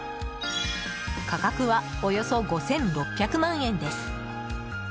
価格は、およそ５６００万円です。